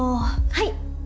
はい。